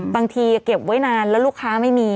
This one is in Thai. เก็บไว้นานแล้วลูกค้าไม่มี